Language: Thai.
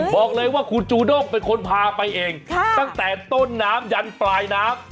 บอกเลยว่าคุณจูด้งเป็นคนพาไปเองตั้งแต่ต้นน้ำยันปลายน้ำ